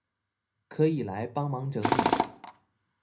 可以來幫忙整理